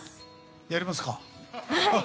やりますか。